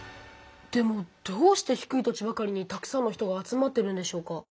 でもどうして低い土地ばかりにたくさんの人が集まってるんでしょうか？